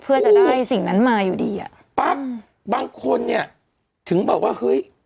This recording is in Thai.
เพื่อจะได้สิ่งนั้นมาอยู่ดีอ่ะปั๊บบางคนเนี้ยถึงบอกว่าเฮ้ย